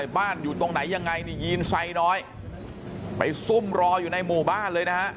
บ้านอยู่ตรงไหนยังไงนี่ยีนไซน้อยไปซุ่มรออยู่ในหมู่บ้านเลยนะฮะ